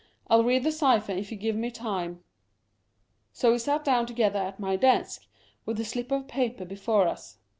Fll read the cypher if you give me time." So we sat down together at my desk, with the slip of paper before us.